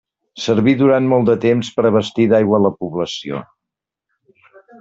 Serví durant molt de temps per abastir d'aigua a la població.